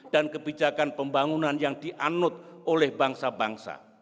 dan kebijakan pembangunan yang dianut oleh bangsa bangsa